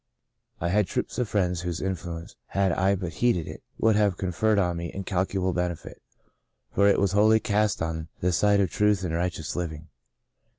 I had troops of friends whose influence, had I but heeded it, would have conferred on me incalculable benefit, for it was wholly cast on the side of truth and righteous living.